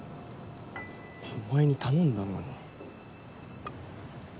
お前に頼んだのに。